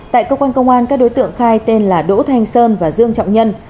tại cơ quan công an các đối tượng khai tên là đỗ thanh sơn và dương trọng nhân